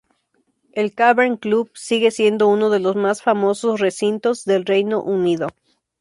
El Cavern Club sigue siendo uno de los más famosos recintos del Reino Unido.